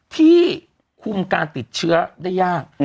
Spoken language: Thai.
ที่คุมการติดเชื้อได้ยาก